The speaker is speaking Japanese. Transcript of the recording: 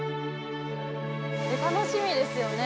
楽しみですよね。